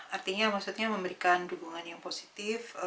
artinya maksudnya memberikan dukungan yang positif